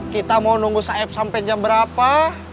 kita mau nunggu saeb sampe jam berapa